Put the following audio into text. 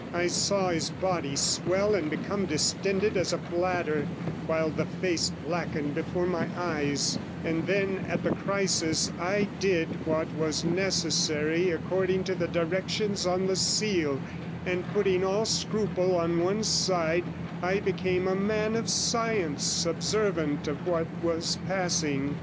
I saw his body swell and become distended as a bladder, while the face blackened before my eyes; and then at the crisis I did what was necessary according to the directions on the Seal, and putting all scruple on one side, I became a man of science, observant of what was passing.